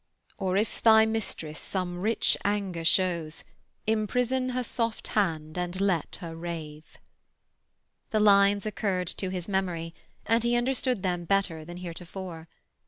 "Or if thy mistress some rich anger shows, Imprison her soft hand, and let her rave—" The lines occurred to his memory, and he understood them better than heretofore.